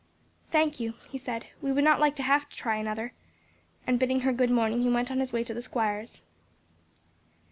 "Thank you," he said, "we would not like to have to try another," and bidding her good morning, he went on his way to the Squire's.